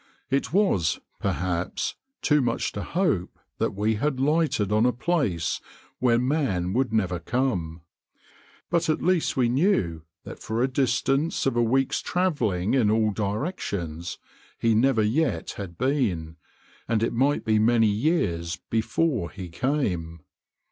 It was, perhaps, too much to hope that we had lighted on a place where man would never come; but at least we knew that for a distance of a week's travelling in all directions he never yet had been, and it might be many years before he came.